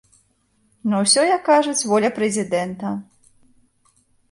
На ўсё, як кажуць, воля прэзідэнта!